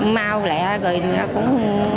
mau lẹ rồi nó cũng